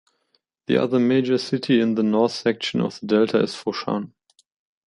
The other major city in the north section of the delta is Foshan.